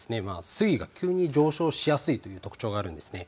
水位が急に上昇しやすいという特徴があります。